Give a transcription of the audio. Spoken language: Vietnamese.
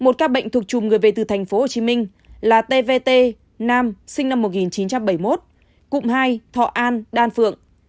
một ca bệnh thuộc chùm người về từ thành phố hồ chí minh là tvt nam sinh năm một nghìn chín trăm bảy mươi một cụm hai thọ an đan phượng